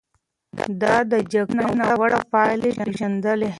ده د جګړې ناوړه پايلې پېژندلې.